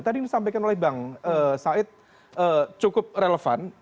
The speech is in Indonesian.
tadi disampaikan oleh bang said cukup relevan